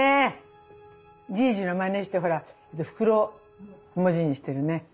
じいじのまねしてほら袋文字にしてるね。